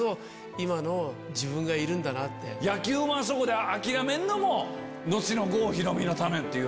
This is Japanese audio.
野球をあそこで諦めんのも後の郷ひろみのためっていう。